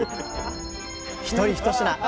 一人一品。